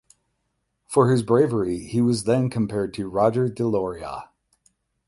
For his bravery he was then compared to Roger de Lauria.